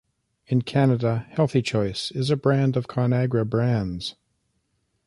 In Canada, Healthy Choice is a brand of ConAgra Brands.